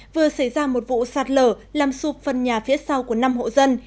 vừa xảy ra một vụ sạt lở làm sụp phần nhà phía sau của năm hộ dân